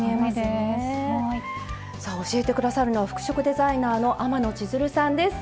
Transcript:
さあ教えて下さるのは服飾デザイナーの天野千鶴さんです。